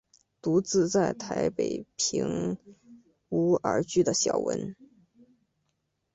独自在台北赁屋而居的小文。